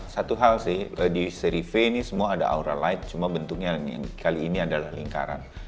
satu hal sih di seri v ini semua ada aura light cuma bentuknya kali ini adalah lingkaran